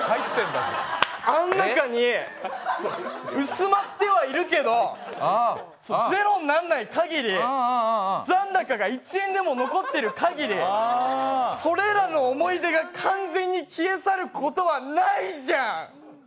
あん中に、薄まってはいるけど０にならないかぎり、残高が１円でも残ってるかぎり、それらの思い出が完全に消え去ることはないじゃん！！